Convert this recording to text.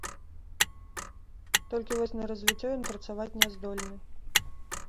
Толькі вось на развіццё ён працаваць не здольны.